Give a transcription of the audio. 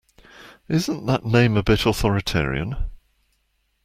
Isn’t that name a bit authoritarian?